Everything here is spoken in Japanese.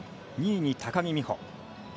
２位に高木美帆。